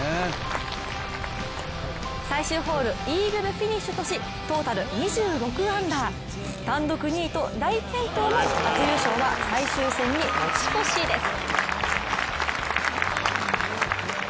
最終ホール、イーグルフィニッシュとしトータル２６アンダー、単独２位と大健闘も初優勝は最終戦に持ち越しです。